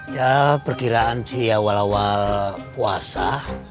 ya perkiraan di awal awal puasa